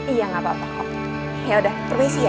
iya ga apa apa kak yaudah permisi ya